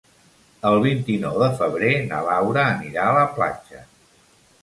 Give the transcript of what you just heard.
El vint-i-nou de febrer na Laura anirà a la platja.